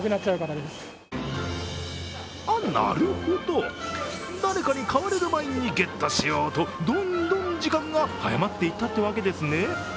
なるほど、誰かに買われる前にゲットしようとどんどん時間が早まっていったというわけですね。